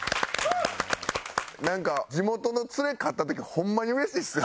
なんか地元のツレ勝った時ホンマにうれしいですよね。